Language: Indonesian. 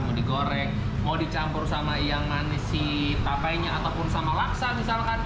mau digoreng mau dicampur sama yang manis si papainya ataupun sama laksa misalkan